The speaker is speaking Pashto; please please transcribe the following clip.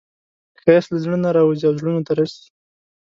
ښایست له زړه نه راوځي او زړونو ته رسي